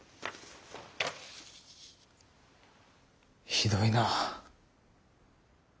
ひどいな。